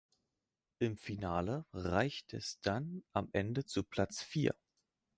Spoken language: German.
Im Finale reichte es dann am Ende zu Platz vier.